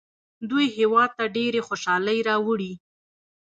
دوی هیواد ته ډېرې خوشحالۍ راوړي.